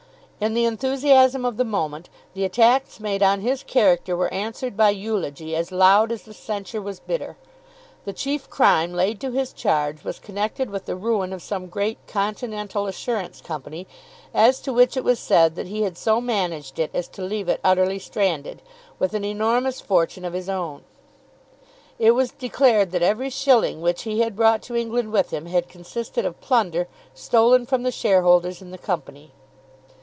In the enthusiasm of the moment, the attacks made on his character were answered by eulogy as loud as the censure was bitter. The chief crime laid to his charge was connected with the ruin of some great continental assurance company, as to which it was said that he had so managed it as to leave it utterly stranded, with an enormous fortune of his own. It was declared that every shilling which he had brought to England with him had consisted of plunder stolen from the shareholders in the company.